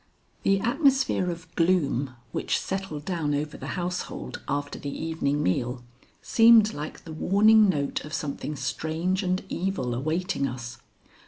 The atmosphere of gloom which settled down over the household after the evening meal, seemed like the warning note of something strange and evil awaiting us.